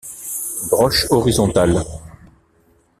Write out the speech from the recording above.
Broche horizontale.